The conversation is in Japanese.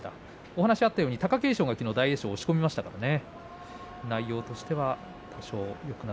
お話があったように貴景勝が大栄翔を押し込みましたからね。